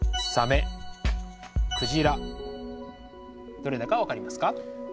どれだか分かりますか？